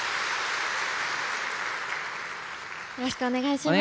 よろしくお願いします。